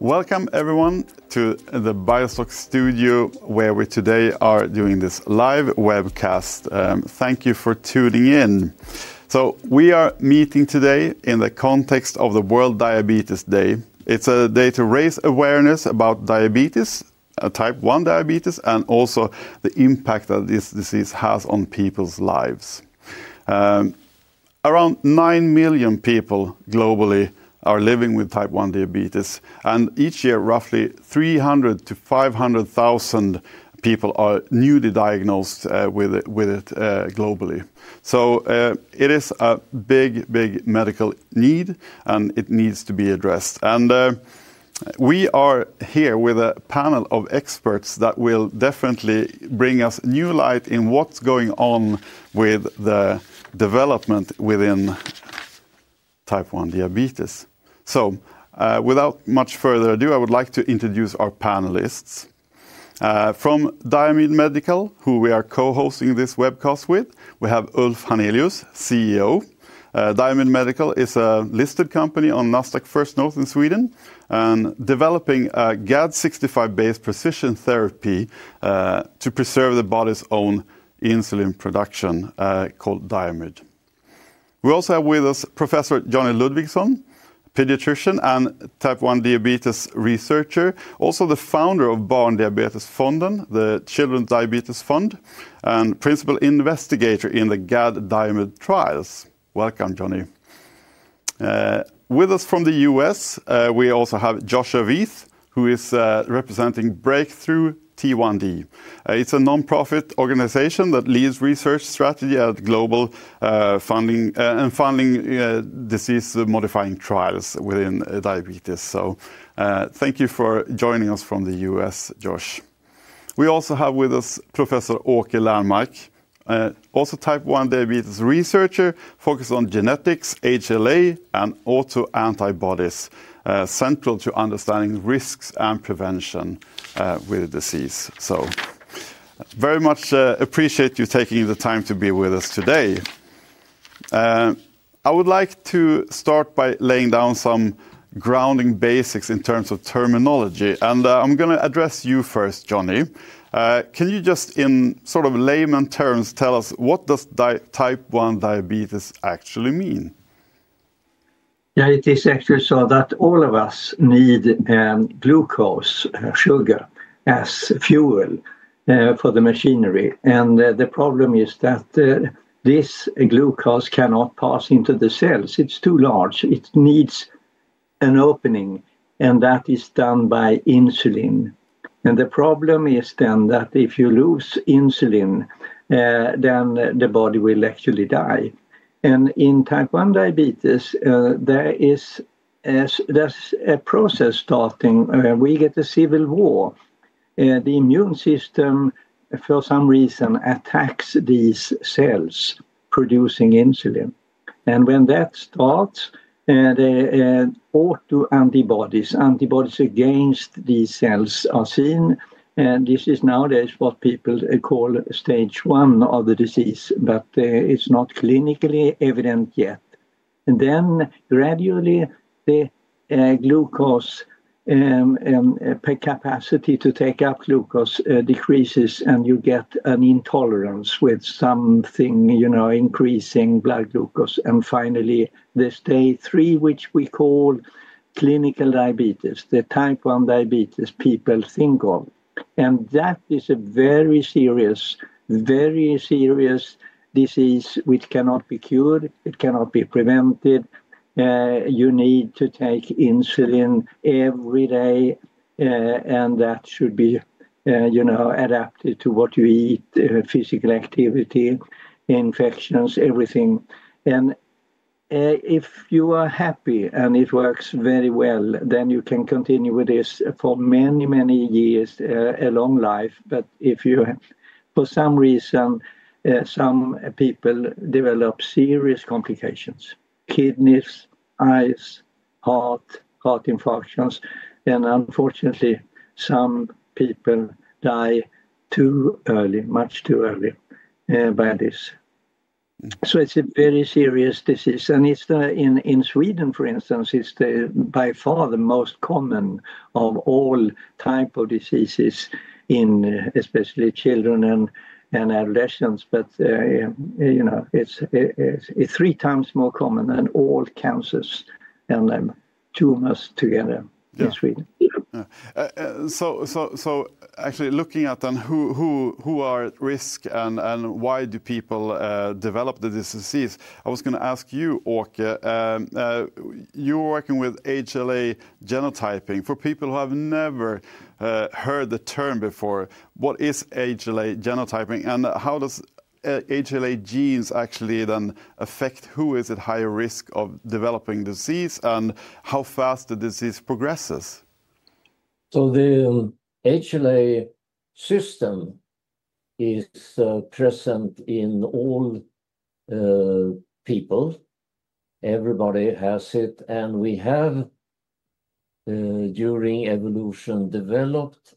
Welcome, everyone, to the BioSoc Studio, where we today are doing this live webcast. Thank you for tuning in. We are meeting today in the context of the World Diabetes Day. It is a day to raise awareness about diabetes, Type 1 diabetes, and also the impact that this disease has on people's lives. Around 9 million people globally are living with Type 1 diabetes, and each year, roughly 300,000-500,000 people are newly diagnosed with it globally. It is a big, big medical need, and it needs to be addressed. We are here with a panel of experts that will definitely bring us new light in what's going on with the development within Type 1 diabetes. Without much further ado, I would like to introduce our panelists. From Diamyd Medical, who we are co-hosting this webcast with, we have Ulf Hannelius, CEO. Diamyd Medical is a listed company on Nasdaq First North in Sweden and developing a GAD65-based precision therapy to preserve the body's own insulin production called Diamyd. We also have with us Professor Johnny Ludvigsson, pediatrician and Type 1 diabetes researcher, also the founder of Barndiabetesfonden, the Children's Diabetes Fund, and principal investigator in the GAD/Diamyd trials. Welcome, Johnny. With us from the U.S., we also have Joshua Vieth, who is representing Breakthrough T1D. It's a nonprofit organization that leads research strategy at global funding and funding disease-modifying trials within diabetes. Thank you for joining us from the U.S., Josh. We also have with us Professor Åke Lernmark, also a Type 1 diabetes researcher focused on genetics, HLA, and autoantibodies, central to understanding risks and prevention with the disease. Very much appreciate you taking the time to be with us today. I would like to start by laying down some grounding basics in terms of terminology, and I'm going to address you first, Johnny. Can you just, in sort of layman's terms, tell us what does Type 1 diabetes actually mean? Yeah, it is actually so that all of us need glucose, sugar, as fuel for the machinery. The problem is that this glucose cannot pass into the cells. It's too large. It needs an opening, and that is done by insulin. The problem is then that if you lose insulin, then the body will actually die. In Type 1 diabetes, there is a process starting. We get a civil war. The immune system, for some reason, attacks these cells producing insulin. When that starts, the autoantibodies, antibodies against these cells are seen. This is nowadays what people call stage one of the disease, but it's not clinically evident yet. Then gradually, the capacity to take up glucose decreases, and you get an intolerance with something, you know, increasing blood glucose. Finally, there's stage three, which we call clinical diabetes, the Type 1 diabetes people think of. That is a very serious, very serious disease which cannot be cured. It cannot be prevented. You need to take insulin every day, and that should be, you know, adapted to what you eat, physical activity, infections, everything. If you are happy and it works very well, then you can continue with this for many, many years, a long life. If you, for some reason, some people develop serious complications: kidneys, eyes, heart, heart infarctions, and unfortunately, some people die too early, much too early by this. It is a very serious disease. In Sweden, for instance, it is by far the most common of all types of diseases, especially children and adolescents. You know, it is three times more common than all cancers and tumors together in Sweden. Actually looking at them, who are at risk and why do people develop the disease? I was going to ask you, Åke, you're working with HLA genotyping. For people who have never heard the term before, what is HLA genotyping and how does HLA genes actually then affect who is at higher risk of developing the disease and how fast the disease progresses? The HLA system is present in all people. Everybody has it. We have, during evolution, developed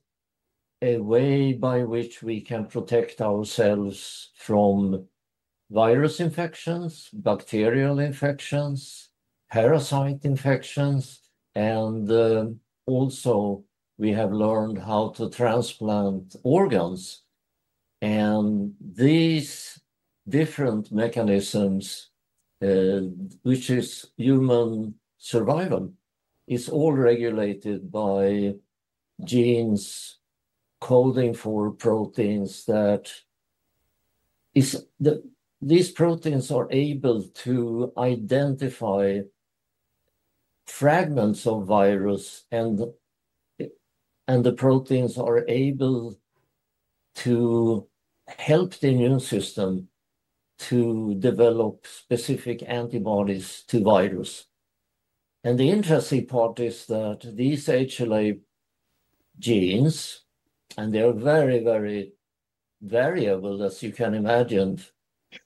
a way by which we can protect ourselves from virus infections, bacterial infections, parasite infections. We have learned how to transplant organs. These different mechanisms, which is human survival, is all regulated by genes coding for proteins that these proteins are able to identify fragments of virus, and the proteins are able to help the immune system to develop specific antibodies to virus. The interesting part is that these HLA genes, and they are very, very variable, as you can imagine,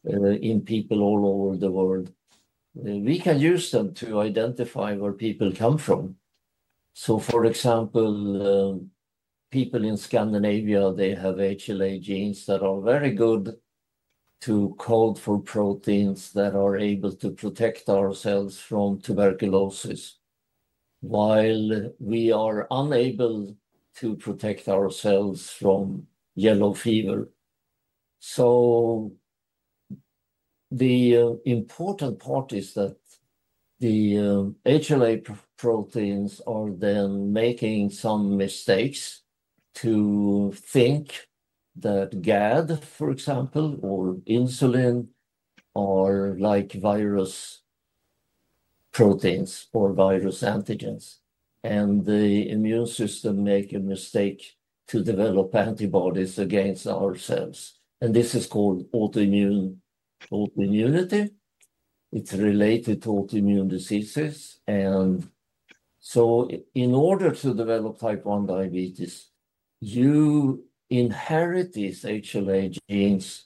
in people all over the world. We can use them to identify where people come from. For example, people in Scandinavia, they have HLA genes that are very good to code for proteins that are able to protect ourselves from tuberculosis, while we are unable to protect ourselves from yellow fever. The important part is that the HLA proteins are then making some mistakes to think that GAD, for example, or insulin, are like virus proteins or virus antigens. The immune system makes a mistake to develop antibodies against ourselves. This is called autoimmunity. It's related to autoimmune diseases. In order to develop Type 1 diabetes, you inherit these HLA genes.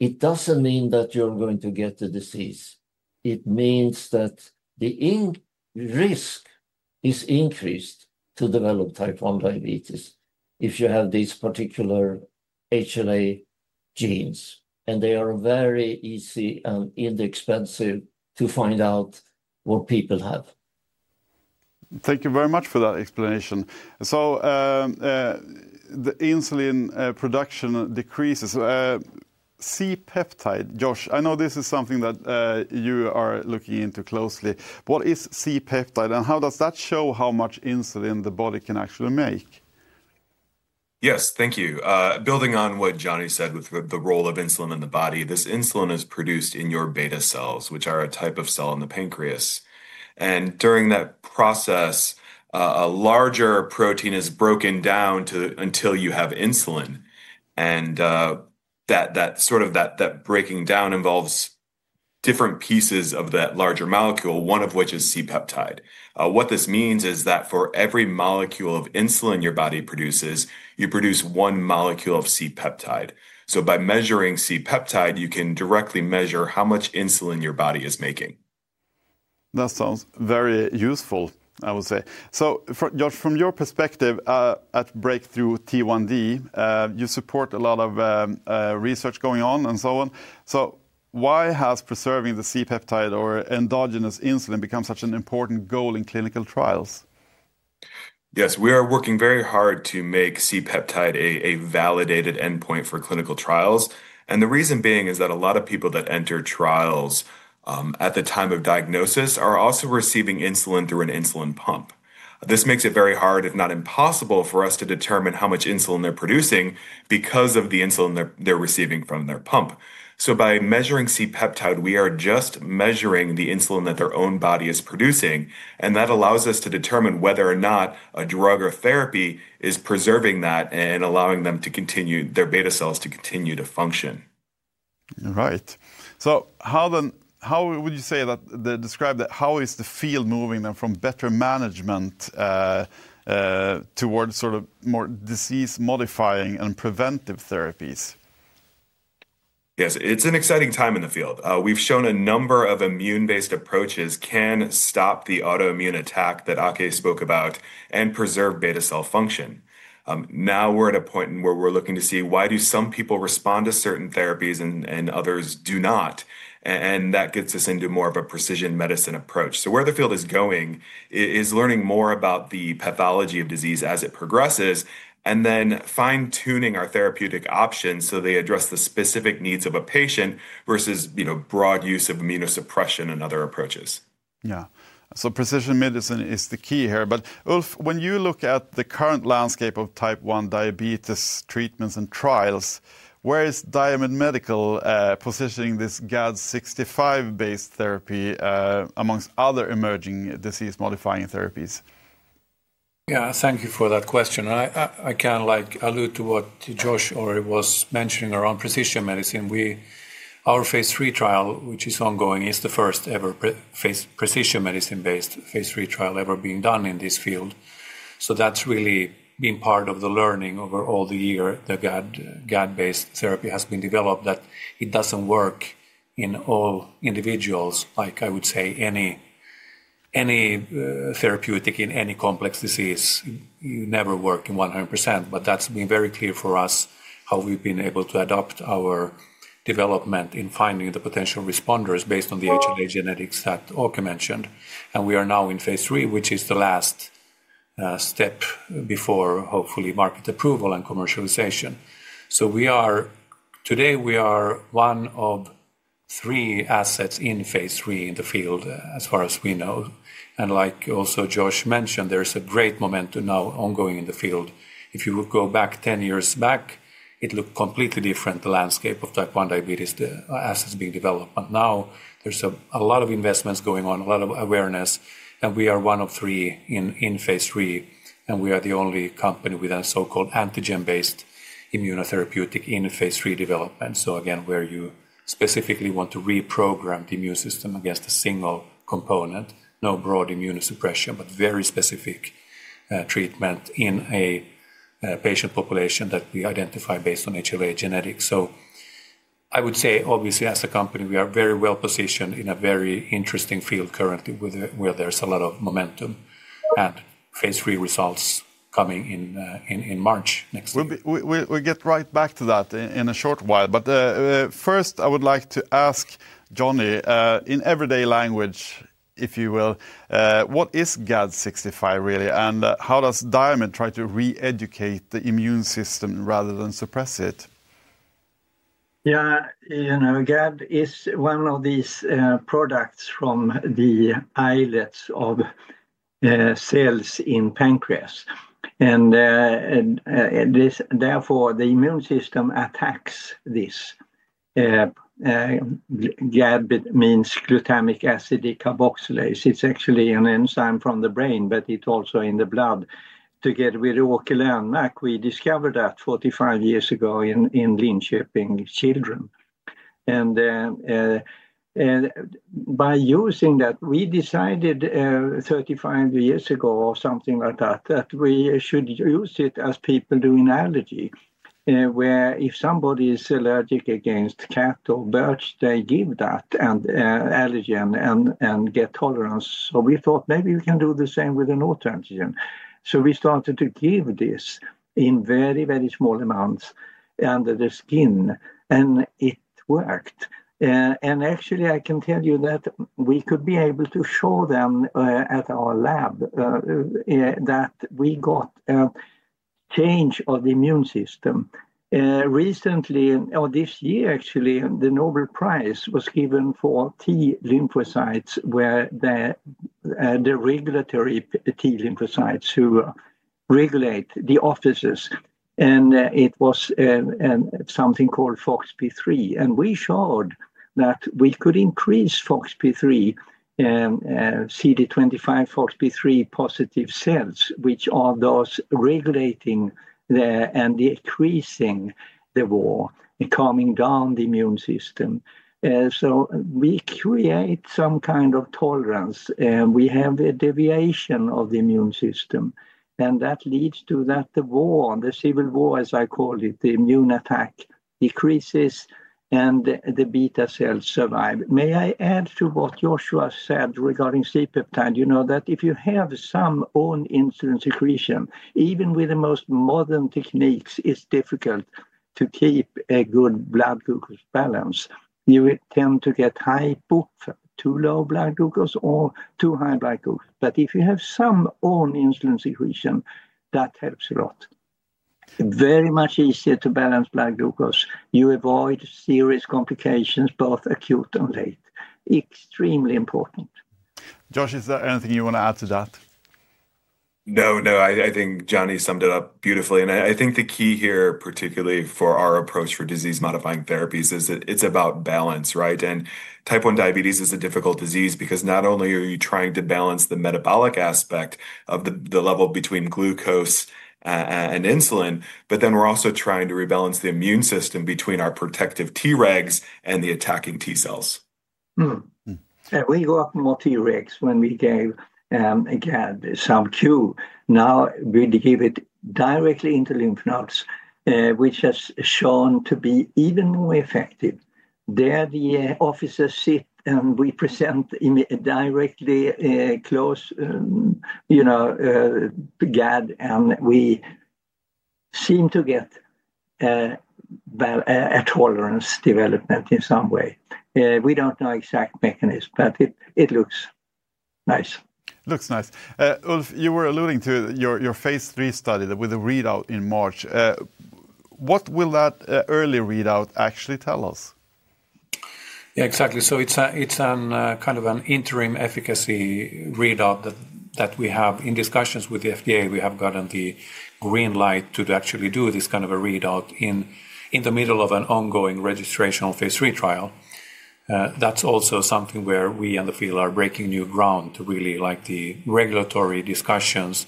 It doesn't mean that you're going to get the disease. It means that the risk is increased to develop Type 1 diabetes if you have these particular HLA genes. They are very easy and inexpensive to find out what people have. Thank you very much for that explanation. The insulin production decreases. C-peptide, Josh, I know this is something that you are looking into closely. What is C-peptide, and how does that show how much insulin the body can actually make? Yes, thank you. Building on what Johnny said with the role of insulin in the body, this insulin is produced in your beta cells, which are a type of cell in the pancreas. During that process, a larger protein is broken down until you have insulin. That sort of breaking down involves different pieces of that larger molecule, one of which is C-peptide. What this means is that for every molecule of insulin your body produces, you produce one molecule of C-peptide. By measuring C-peptide, you can directly measure how much insulin your body is making. That sounds very useful, I would say. Josh, from your perspective at Breakthrough T1D, you support a lot of research going on and so on. Why has preserving the C-peptide or endogenous insulin become such an important goal in clinical trials? Yes, we are working very hard to make C-peptide a validated endpoint for clinical trials. The reason being is that a lot of people that enter trials at the time of diagnosis are also receiving insulin through an insulin pump. This makes it very hard, if not impossible, for us to determine how much insulin they're producing because of the insulin they're receiving from their pump. By measuring C-peptide, we are just measuring the insulin that their own body is producing. That allows us to determine whether or not a drug or therapy is preserving that and allowing them to continue their beta cells to continue to function. All right. How would you say that, describe that? How is the field moving then from better management towards sort of more disease-modifying and preventive therapies? Yes, it's an exciting time in the field. We've shown a number of immune-based approaches can stop the autoimmune attack that Åke spoke about and preserve beta cell function. Now we're at a point where we're looking to see why do some people respond to certain therapies and others do not. That gets us into more of a precision medicine approach. Where the field is going is learning more about the pathology of disease as it progresses and then fine-tuning our therapeutic options so they address the specific needs of a patient versus broad use of immunosuppression and other approaches. Yeah. Precision medicine is the key here. But Ulf, when you look at the current landscape of Type 1 diabetes treatments and trials, where is Diamyd Medical positioning this GAD65-based therapy amongst other emerging disease-modifying therapies? Yeah, thank you for that question. I can allude to what Josh already was mentioning around precision medicine. Our phase III trial, which is ongoing, is the first ever precision medicine-based phase III trial ever being done in this field. That's really been part of the learning over all the years that GAD-based therapy has been developed, that it doesn't work in all individuals, like I would say any therapeutic in any complex disease. You never work in 100%. That's been very clear for us how we've been able to adopt our development in finding the potential responders based on the HLA genetics that Åke mentioned. We are now in phase III, which is the last step before hopefully market approval and commercialization. Today we are one of three assets in phase III in the field as far as we know. Like also Josh mentioned, there's a great momentum now ongoing in the field. If you go back 10 years back, it looked completely different, the landscape of Type 1 diabetes, the assets being developed. Now there's a lot of investments going on, a lot of awareness. We are one of three in phase III. We are the only company with a so-called antigen-based immunotherapeutic in phase III development. Again, where you specifically want to reprogram the immune system against a single component, no broad immunosuppression, but very specific treatment in a patient population that we identify based on HLA genetics. I would say, obviously, as a company, we are very well positioned in a very interesting field currently where there's a lot of momentum and phase III results coming in March next year. We'll get right back to that in a short while. First, I would like to ask Johnny, in everyday language, if you will, what is GAD65 really, and how does Diamyd try to re-educate the immune system rather than suppress it? Yeah, you know, GAD is one of these products from the islets of cells in pancreas. Therefore, the immune system attacks this. GAD means glutamic acid decarboxylase. It's actually an enzyme from the brain, but it's also in the blood. Together with Åke Lernmark, we discovered that 45 years ago in Linköping children. By using that, we decided 35 years ago or something like that that we should use it as people do in allergy, where if somebody is allergic against cat or birch, they give that allergen and get tolerance. We thought maybe we can do the same with an autoantigen. We started to give this in very, very small amounts under the skin. It worked. Actually, I can tell you that we could be able to show them at our lab that we got a change of the immune system. Recently, or this year actually, the Nobel Prize was given for T-lymphocytes, where the regulatory T-lymphocytes who regulate the offices. It was something called FOXP3. We showed that we could increase FOXP3, CD25 FOXP3 positive cells, which are those regulating and decreasing the war and calming down the immune system. We create some kind of tolerance. We have a deviation of the immune system. That leads to that the war, the civil war, as I call it, the immune attack decreases and the beta cells survive. May I add to what Joshua said regarding C-peptide? You know that if you have some own insulin secretion, even with the most modern techniques, it is difficult to keep a good blood glucose balance. You tend to get high, too low blood glucose or too high blood glucose. If you have some own insulin secretion, that helps a lot. Very much easier to balance blood glucose. You avoid serious complications, both acute and late. Extremely important. Josh, is there anything you want to add to that? No, no. I think Johnny summed it up beautifully. I think the key here, particularly for our approach for disease-modifying therapies, is that it's about balance, right? Type 1 diabetes is a difficult disease because not only are you trying to balance the metabolic aspect of the level between glucose and insulin, but then we're also trying to rebalance the immune system between our protective T-regs and the attacking T-cells. We got more T-regs when we gave GAD some cue. Now we give it directly into lymph nodes, which has shown to be even more effective. There the officers sit and we present directly close GAD, and we seem to get a tolerance development in some way. We don't know exact mechanism, but it looks nice. Looks nice. Ulf, you were alluding to your phase III study with a readout in March. What will that early readout actually tell us? Yeah, exactly. It's kind of an interim efficacy readout that we have. In discussions with the FDA, we have gotten the green light to actually do this kind of a readout in the middle of an ongoing registration phase III trial. That's also something where we and the field are breaking new ground to really like the regulatory discussions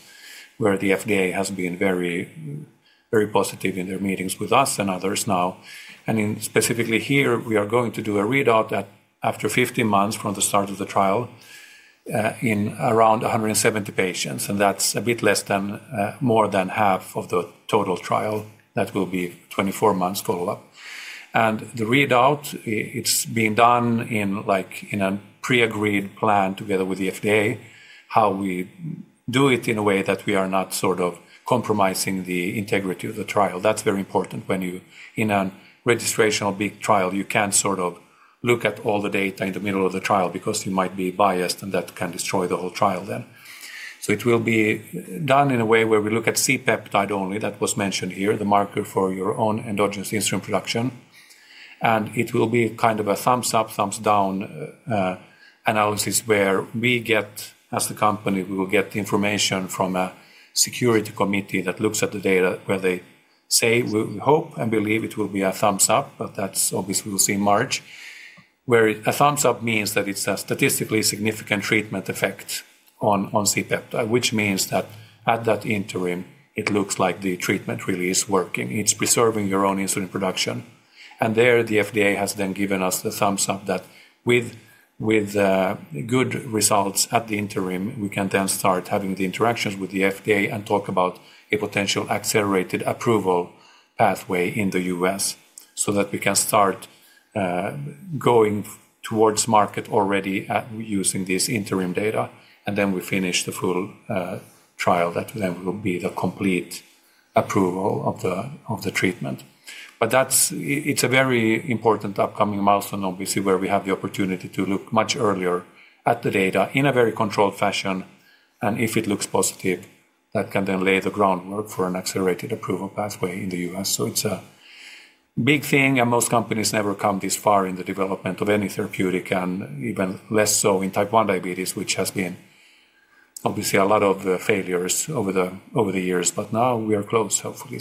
where the FDA has been very positive in their meetings with us and others now. Specifically here, we are going to do a readout after 15 months from the start of the trial in around 170 patients. That's a bit less than more than half of the total trial. That will be 24 months follow-up. The readout, it's being done in a pre-agreed plan together with the FDA, how we do it in a way that we are not sort of compromising the integrity of the trial. That's very important when you in a registration of big trial, you can't sort of look at all the data in the middle of the trial because you might be biased and that can destroy the whole trial then. It will be done in a way where we look at C-peptide only that was mentioned here, the marker for your own endogenous insulin production. It will be kind of a thumbs up, thumbs down analysis where we get as the company, we will get information from a security committee that looks at the data where they say, we hope and believe it will be a thumbs up, but that is obviously we will see in March, where a thumbs up means that it is a statistically significant treatment effect on C-peptide, which means that at that interim, it looks like the treatment really is working. It is preserving your own insulin production. There the FDA has then given us the thumbs up that with good results at the interim, we can then start having the interactions with the FDA and talk about a potential accelerated approval pathway in the U.S. so that we can start going towards market already using this interim data. We finish the full trial that then will be the complete approval of the treatment. It is a very important upcoming milestone, obviously, where we have the opportunity to look much earlier at the data in a very controlled fashion. If it looks positive, that can then lay the groundwork for an accelerated approval pathway in the U.S. It is a big thing. Most companies never come this far in the development of any therapeutic and even less so in Type 1 diabetes, which has been obviously a lot of failures over the years. Now we are close, hopefully.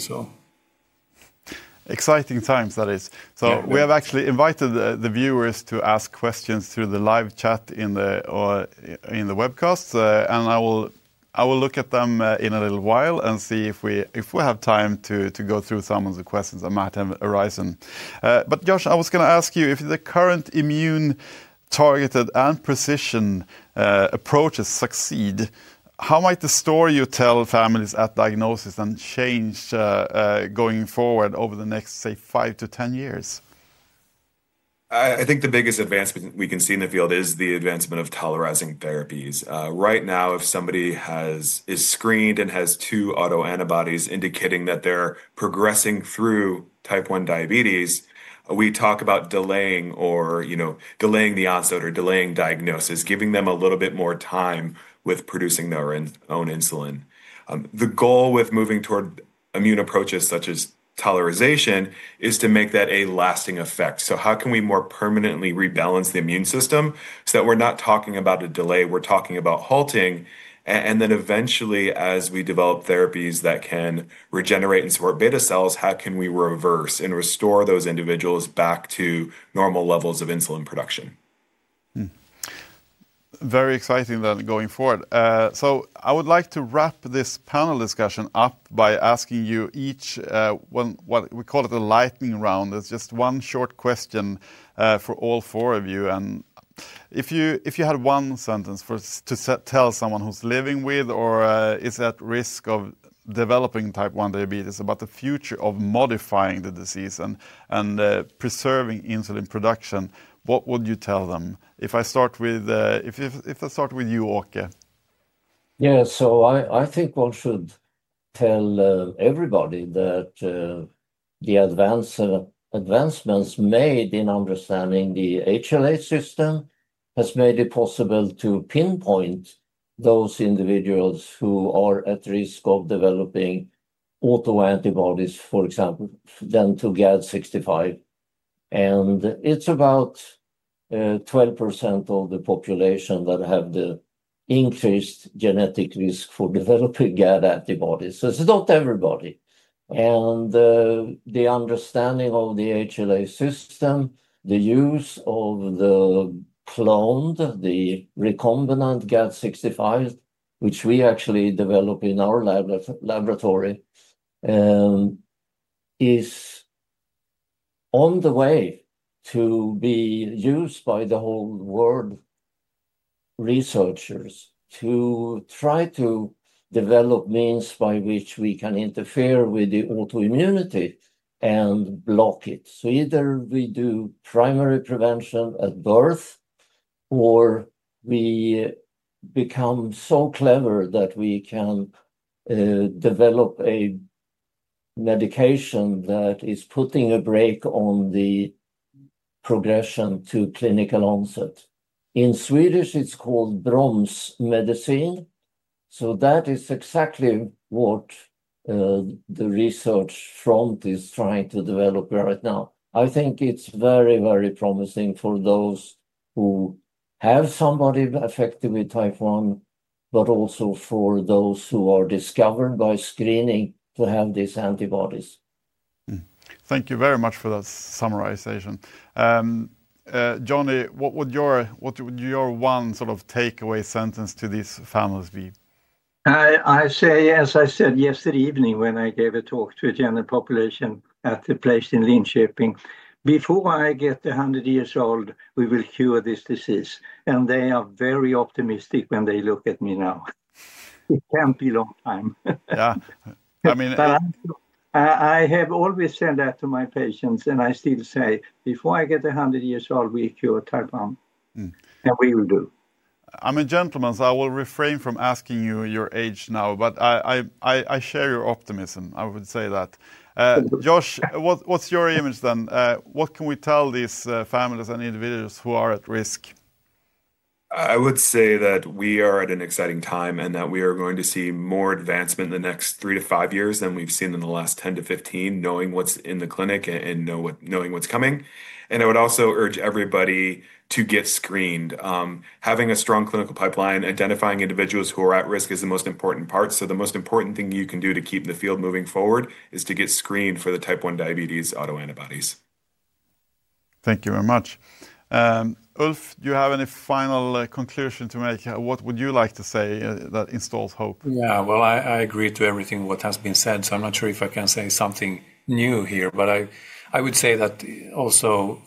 Exciting times, that is. We have actually invited the viewers to ask questions through the live chat in the webcast. I will look at them in a little while and see if we have time to go through some of the questions that might have arisen. Josh, I was going to ask you, if the current immune targeted and precision approaches succeed, how might the story you tell families at diagnosis then change going forward over the next, say, 5-10 years? I think the biggest advancement we can see in the field is the advancement of tolerizing therapies. Right now, if somebody is screened and has two autoantibodies indicating that they're progressing through Type 1 diabetes, we talk about delaying or delaying the onset or delaying diagnosis, giving them a little bit more time with producing their own insulin. The goal with moving toward immune approaches such as tolerization is to make that a lasting effect. How can we more permanently rebalance the immune system so that we're not talking about a delay, we're talking about halting? Eventually, as we develop therapies that can regenerate and support beta cells, how can we reverse and restore those individuals back to normal levels of insulin production? Very exciting then going forward. I would like to wrap this panel discussion up by asking you each what we call a lightning round. It's just one short question for all four of you. If you had one sentence to tell someone who's living with or is at risk of developing Type 1 diabetes about the future of modifying the disease and preserving insulin production, what would you tell them? If I start with you, Åke. Yeah, so I think one should tell everybody that the advancements made in understanding the HLA system have made it possible to pinpoint those individuals who are at risk of developing autoantibodies, for example, to GAD65. It's about 12% of the population that have the increased genetic risk for developing GAD antibodies. It's not everybody. The understanding of the HLA system, the use of the cloned, the recombinant GAD65, which we actually develop in our laboratory, is on the way to be used by the whole world researchers to try to develop means by which we can interfere with the autoimmunity and block it. Either we do primary prevention at birth or we become so clever that we can develop a medication that is putting a brake on the progression to clinical onset. In Swedish, it's called bromsmedicin. That is exactly what the research front is trying to develop right now. I think it's very, very promising for those who have somebody affected with Type 1, but also for those who are discovered by screening to have these antibodies. Thank you very much for that summarization. Johnny, what would your one sort of takeaway sentence to these families be? I say, as I said yesterday evening when I gave a talk to a general population at the place in Linköping, before I get 100 years old, we will cure this disease. They are very optimistic when they look at me now. It can't be a long time. Yeah. I mean- I have always said that to my patients, and I still say, before I get 100 years old, we'll cure Type 1. And we will do. I'm a gentleman, so I will refrain from asking you your age now, but I share your optimism. I would say that. Josh, what's your image then? What can we tell these families and individuals who are at risk? I would say that we are at an exciting time and that we are going to see more advancement in the next 3-5 years years than we've seen in the last 10-15 years, knowing what's in the clinic and knowing what's coming. I would also urge everybody to get screened. Having a strong clinical pipeline, identifying individuals who are at risk is the most important part. The most important thing you can do to keep the field moving forward is to get screened for the Type 1 diabetes autoantibodies. Thank you very much. Ulf, do you have any final conclusion to make? What would you like to say that installs hope? Yeah, I agree to everything what has been said. I'm not sure if I can say something new here, but I would say that also,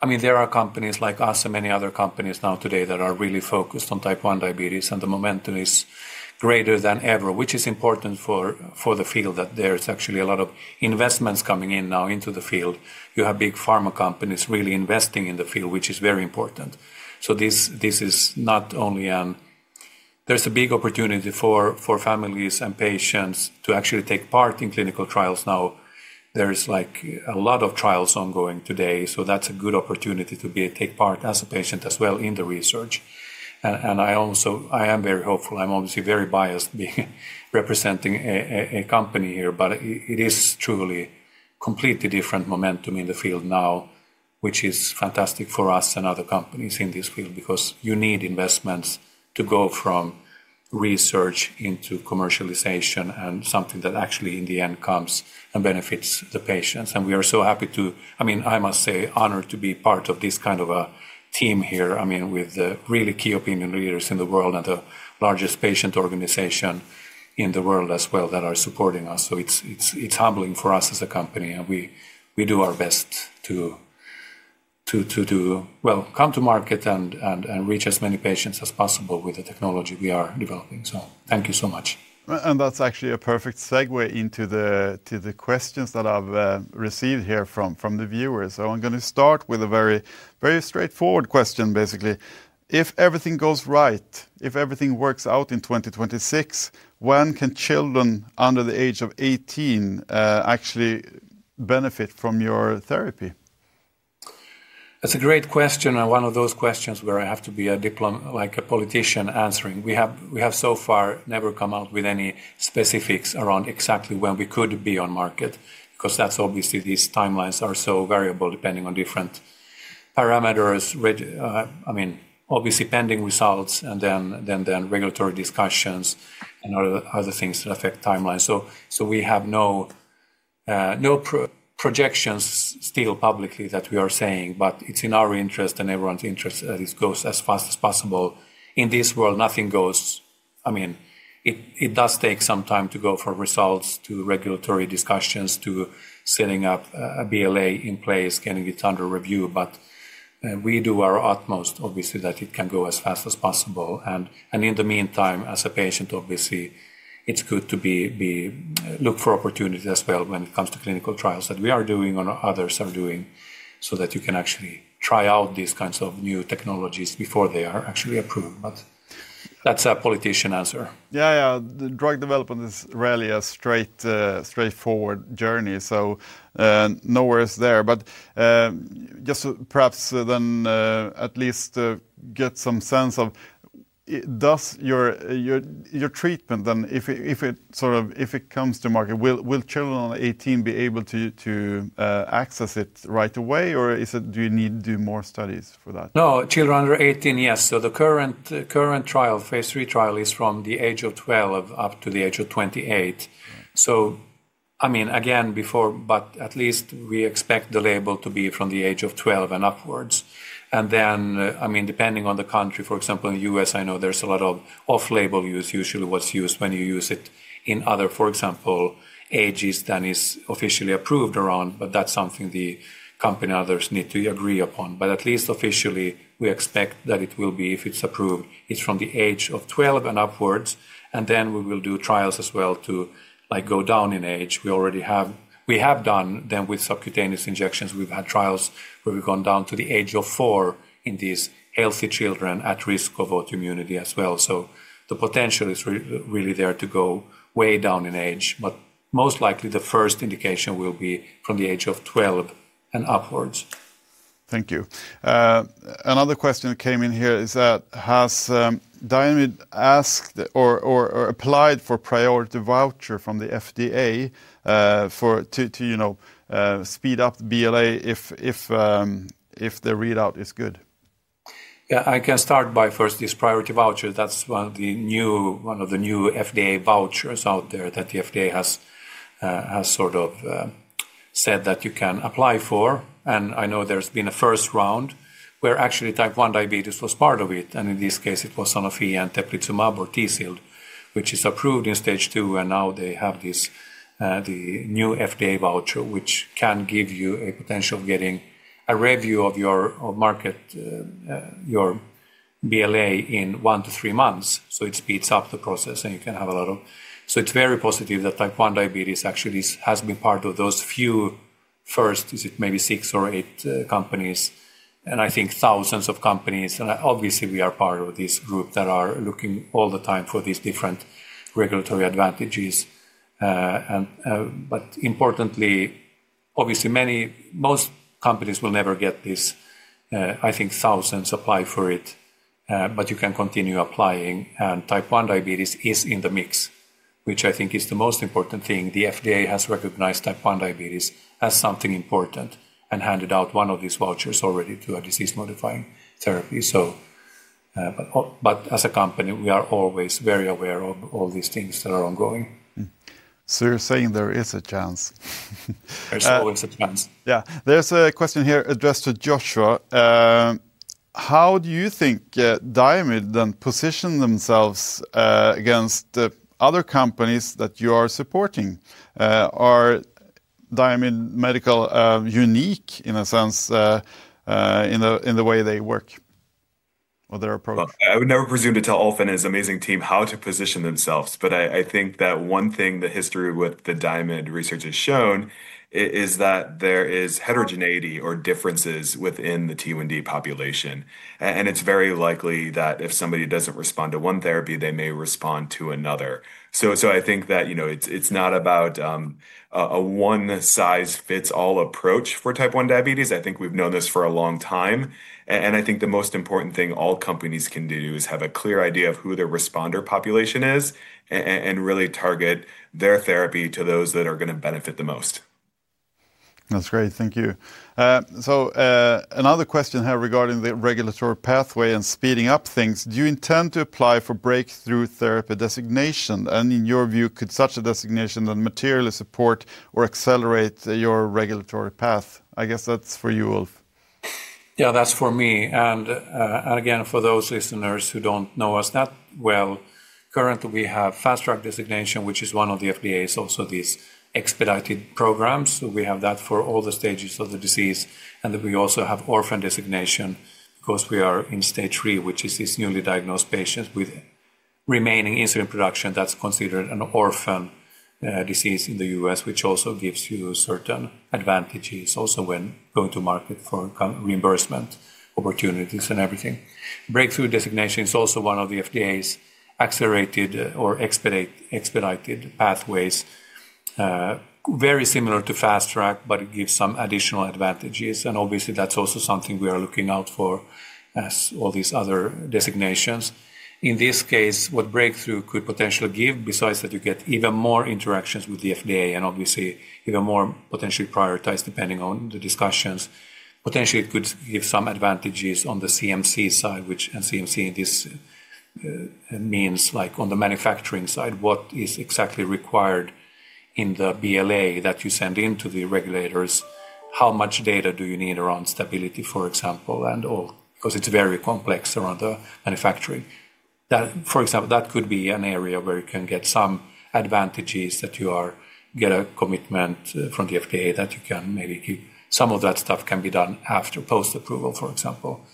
I mean, there are companies like us and many other companies now today that are really focused on Type 1 diabetes, and the momentum is greater than ever, which is important for the field that there's actually a lot of investments coming in now into the field. You have big pharma companies really investing in the field, which is very important. This is not only an, there's a big opportunity for families and patients to actually take part in clinical trials now. There's a lot of trials ongoing today. That's a good opportunity to take part as a patient as well in the research. I am very hopeful. I'm obviously very biased being representing a company here, but it is truly completely different momentum in the field now, which is fantastic for us and other companies in this field because you need investments to go from research into commercialization and something that actually in the end comes and benefits the patients. We are so happy to, I mean, I must say, honored to be part of this kind of a team here, I mean, with the really key opinion leaders in the world and the largest patient organization in the world as well that are supporting us. It is humbling for us as a company. We do our best to, well, come to market and reach as many patients as possible with the technology we are developing. Thank you so much. That's actually a perfect segue into the questions that I've received here from the viewers. I'm going to start with a very, very straightforward question, basically. If everything goes right, if everything works out in 2026, when can children under the age of 18 actually benefit from your therapy? That's a great question and one of those questions where I have to be a politician answering. We have so far never come out with any specifics around exactly when we could be on market because that's obviously these timelines are so variable depending on different parameters, I mean, obviously pending results and then regulatory discussions and other things that affect timelines. We have no projections still publicly that we are saying, but it's in our interest and everyone's interest that this goes as fast as possible. In this world, nothing goes, I mean, it does take some time to go from results to regulatory discussions to setting up a BLA in place, getting it under review. We do our utmost, obviously, that it can go as fast as possible. As a patient, obviously, it's good to look for opportunities as well when it comes to clinical trials that we are doing or others are doing so that you can actually try out these kinds of new technologies before they are actually approved. That's a politician answer. Yeah, yeah. Drug development is rarely a straightforward journey. Nowhere is there. Just perhaps then at least get some sense of does your treatment then, if it sort of if it comes to market, will children under 18 be able to access it right away? Or do you need to do more studies for that? No, children under 18, yes. The current trial, phase III trial, is from the age of 12 up to the age of 28. I mean, again, before, but at least we expect the label to be from the age of 12 and upwards. I mean, depending on the country, for example, in the U.S., I know there's a lot of off-label use, usually what's used when you use it in other, for example, ages than is officially approved around, but that's something the company and others need to agree upon. At least officially, we expect that it will be, if it's approved, it's from the age of 12 and upwards. We will do trials as well to go down in age. We have done them with subcutaneous injections. We've had trials where we've gone down to the age of four in these healthy children at risk of autoimmunity as well. The potential is really there to go way down in age, but most likely the first indication will be from the age of 12 and upwards. Thank you. Another question came in here is that has Diamyd asked or applied for priority voucher from the FDA to speed up the BLA if the readout is good? Yeah, I can start by first this priority voucher. That's one of the new FDA vouchers out there that the FDA has sort of said that you can apply for. I know there's been a first round where actually Type 1 diabetes was part of it. In this case, it was Sanofi and Teplizumab or T-cell, which is approved in stage two. Now they have the new FDA voucher, which can give you a potential of getting a review of your market, your BLA in 1-3 months. It speeds up the process and you can have a lot of, so it's very positive that Type 1 diabetes actually has been part of those few first, is it maybe six or eight companies? I think thousands of companies. Obviously, we are part of this group that are looking all the time for these different regulatory advantages. Importantly, obviously, most companies will never get this. I think thousands apply for it, but you can continue applying. Type 1 diabetes is in the mix, which I think is the most important thing. The FDA has recognized Type 1 diabetes as something important and handed out one of these vouchers already to a disease-modifying therapy. As a company, we are always very aware of all these things that are ongoing. You're saying there is a chance. There's always a chance. Yeah. There's a question here addressed to Joshua. How do you think Diamyd then position themselves against other companies that you are supporting? Are Diamyd Medical unique in a sense in the way they work or their approach? I would never presume to tell Ulf and his amazing team how to position themselves. I think that one thing the history with the Diamyd research has shown is that there is heterogeneity or differences within the T1D population. It is very likely that if somebody does not respond to one therapy, they may respond to another. I think that it is not about a one-size-fits-all approach for Type 1 diabetes. I think we have known this for a long time. I think the most important thing all companies can do is have a clear idea of who their responder population is and really target their therapy to those that are going to benefit the most. That's great. Thank you. Another question here regarding the regulatory pathway and speeding up things. Do you intend to apply for breakthrough therapy designation? In your view, could such a designation then materially support or accelerate your regulatory path? I guess that's for you, Ulf. Yeah, that's for me. Again, for those listeners who don't know us that well, currently we have fast-track designation, which is one of the FDA's also these expedited programs. We have that for all the stages of the disease. We also have orphan designation because we are in stage three, which is these newly diagnosed patients with remaining insulin production that's considered an orphan disease in the U.S., which also gives you certain advantages also when going to market for reimbursement opportunities and everything. Breakthrough designation is also one of the FDA's accelerated or expedited pathways, very similar to fast-track, but it gives some additional advantages. Obviously, that's also something we are looking out for as all these other designations. In this case, what breakthrough could potentially give besides that you get even more interactions with the FDA and obviously even more potentially prioritized depending on the discussions, potentially it could give some advantages on the CMC side, which CMC means like on the manufacturing side, what is exactly required in the BLA that you send into the regulators, how much data do you need around stability, for example, and all, because it's very complex around the manufacturing. For example, that could be an area where you can get some advantages that you get a commitment from the FDA that you can maybe keep some of that stuff can be done after post-approval, for example.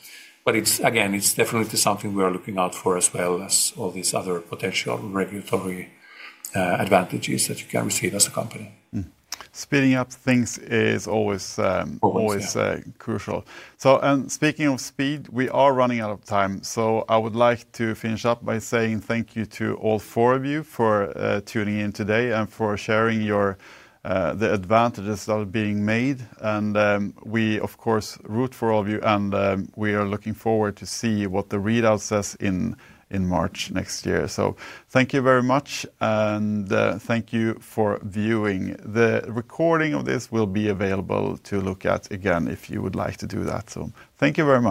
Again, it's definitely something we're looking out for as well as all these other potential regulatory advantages that you can receive as a company. Speeding up things is always crucial. Speaking of speed, we are running out of time. I would like to finish up by saying thank you to all four of you for tuning in today and for sharing the advantages that are being made. We, of course, root for all of you, and we are looking forward to see what the readout says in March next year. Thank you very much, and thank you for viewing. The recording of this will be available to look at again if you would like to do that. Thank you very much.